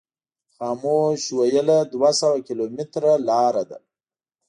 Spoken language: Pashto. خاموش ویلي دوه سوه کیلومتره لار ده.